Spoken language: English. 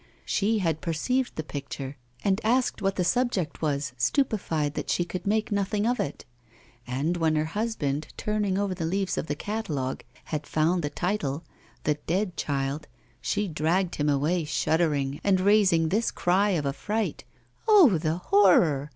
She had perceived the picture, and asked what the subject was, stupefied that she could make nothing out of it; and when her husband, turning over the leaves of the catalogue, had found the title, 'The Dead Child,' she dragged him away, shuddering, and raising this cry of affright: 'Oh, the horror!